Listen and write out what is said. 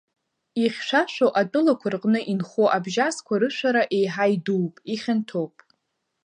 Ихьшәашәоу атәылақәа рҟны инхо абжьасқәа рышәара еиҳа идууп, ихьанҭоуп.